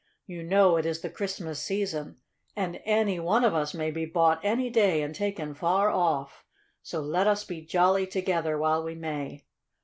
You know it is the Christmas season, and any one of us may be bought any day and taken far off. So let us be jolly together while we may.